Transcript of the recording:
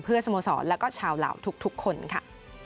สโมสรแล้วก็ชาวเหล่าทุกคนค่ะ